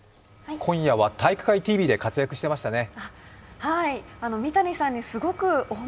今夜は「体育会ＴＶ」で活躍していましたね。